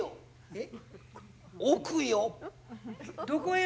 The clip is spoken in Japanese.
えっ？